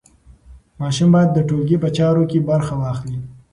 ماشوم باید د ټولګي په چارو کې برخه واخلي.